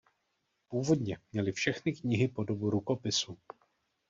Původně měly všechny knihy podobu rukopisu.